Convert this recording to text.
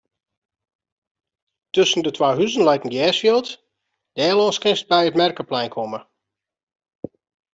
Tusken de twa huzen leit in gersfjild; dêrlâns kinst by it merkplein komme.